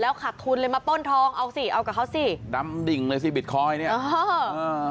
ขาดทุนเลยมาป้นทองเอาสิเอากับเขาสิดำดิ่งเลยสิบิตคอยนเนี่ยเอออ่า